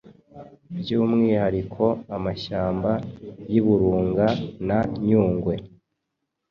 by’umwihariko amashyamba y’Ibirunga na Nyungwe